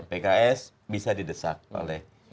pks bisa didesak oleh